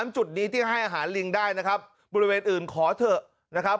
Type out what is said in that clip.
จุดนี้ที่ให้อาหารลิงได้นะครับบริเวณอื่นขอเถอะนะครับ